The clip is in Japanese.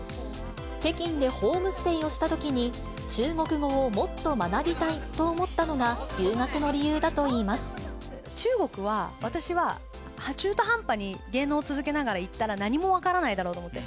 北京でホームステイをしたときに、中国語をもっと学びたいと思った中国は、私は、中途半端に芸能を続けながら行ったら何も分からないだろうと思って。